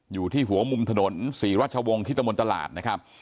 อยู่ที่หัวมุมถนนศรีราชวงศ์ที่ตะมนตลาดนะครับ